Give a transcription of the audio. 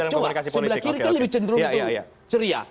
coba sebelah kiri lebih cenderung itu ceria